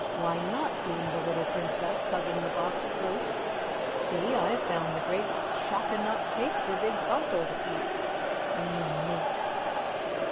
"Why not?" beamed the little Princess, hugging the box close. "See, I have found the great choconut cake for Big Bumpo to eat I mean neat."